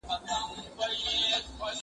زه له سهاره مېوې وچوم